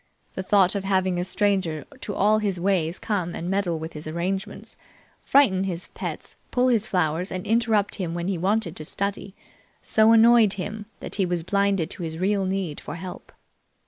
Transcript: The thought of having a stranger to all his ways come and meddle with his arrangements, frighten his pets, pull his flowers, and interrupt him when he wanted to study, so annoyed him that he was blinded to his real need for help.